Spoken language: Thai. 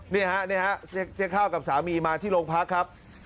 นี่ฮะนี่ฮะเจ๊ข้าวกับสามีมาที่โรงพักครับ